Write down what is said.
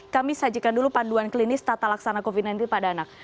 kami sajikan dulu panduan klinis tata laksana covid sembilan belas pada anak